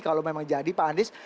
kalau memang jadi pak anies